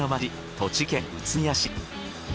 栃木県宇都宮市。